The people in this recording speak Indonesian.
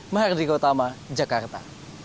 mahardika utama jakarta